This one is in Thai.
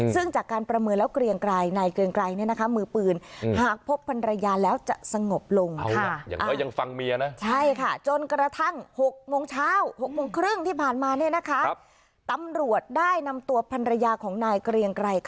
ซึ่งจากการประเมินแล้วเกลียงไกรนายเกลียงไกรเนี่ยนะคะมือปืน